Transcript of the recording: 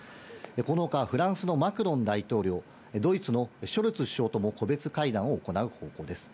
このほかフランスのマクロン大統領、ドイツのショルツ首相とも個別会談を行う方向です。